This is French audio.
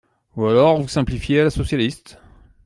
Ou alors, vous simplifiez à la socialiste